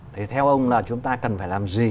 thì theo ông là chúng ta cần phải làm gì